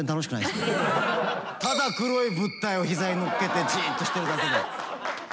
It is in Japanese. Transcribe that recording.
ただ黒い物体を膝にのっけてじっとしてるだけで。